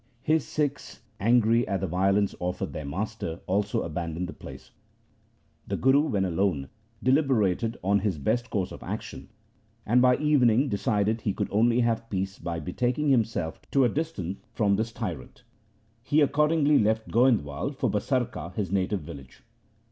His Sikhs, angry at the violence offered their master, also abandoned the place. The Guru, when alone, deliberated on his best course of action, and by evening decided he could only have peace by be taking himself to a distance from his tyrant. He accordingly left Goindwal for Basarka, his native village.